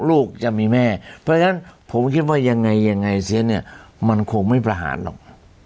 ลูกจะมีแม่เพราะฉะนั้นผมคิดว่ายังไงยังไงเสียเนี่ยมันคงไม่ประหารหรอก